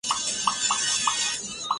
前十名车手可获得积分。